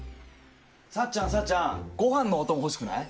さっちゃんさっちゃんご飯のお供欲しくない？